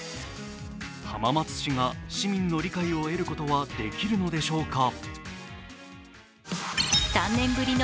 浜松市が市民の理解を得ることはできるのでしょうか。